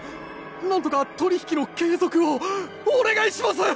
なんとか取り引きの継続をお願いします！